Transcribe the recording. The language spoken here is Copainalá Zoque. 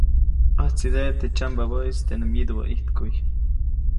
ʼÄjtsideʼe teʼ tsyambabäʼis teʼ nä myidubä ʼijtkuʼy.